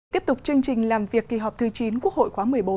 tiếp tục chương trình làm việc kỳ họp thứ chín quốc hội khóa một mươi bốn